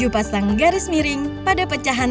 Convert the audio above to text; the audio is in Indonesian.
enam pasang garis miring pada pecahan rp dua